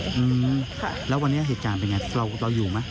ค่ะแล้ววันนี้เหตุการณ์เป็นอย่างไรเราอยู่ไหม